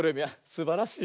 すばらしい。